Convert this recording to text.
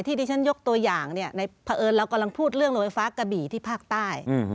ที่ดิฉันยกตัวอย่างในเผอิญเรากำลังพูดเรื่องโรงไฟฟ้ากระบี่ที่ภาคใต้